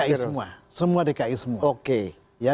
dki semua semua dki semua oke